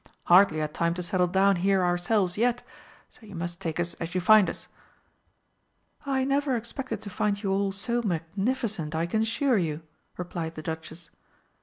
Hardly had time to settle down here ourselves yet so you must take us as you find us." "I never expected to find you all so magnificent, I can assure you," replied the Duchess.